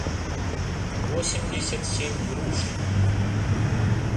восемьдесят семь груш